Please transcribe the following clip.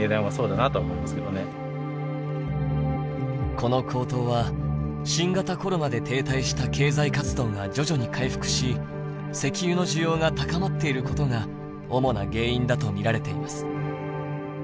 この高騰は新型コロナで停滞した経済活動が徐々に回復し石油の需要が高まっていることが主な原因だと見られています。